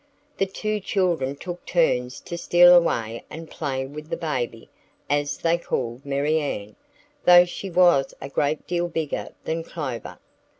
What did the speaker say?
The two children took turns to steal away and play with the "Baby," as they called Marianne, though she was a great deal bigger than Clover.